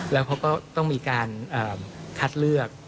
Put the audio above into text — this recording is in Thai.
แล้วเขาก็ต้องมีการคัดเลือก